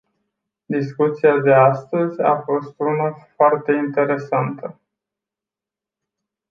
Discuția de astăzi a fost una foarte interesantă.